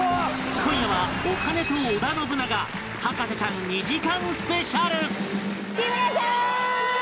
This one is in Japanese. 今夜はお金と織田信長『博士ちゃん』２時間スペシャル